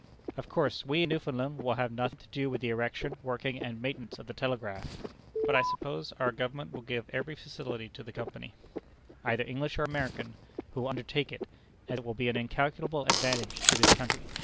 Of course, we in Newfoundland will have nothing to do with the erection, working, and maintenance of the telegraph; but I suppose our Government will give every facility to the company, either English or American, who will undertake it, as it will be an incalculable advantage to this country.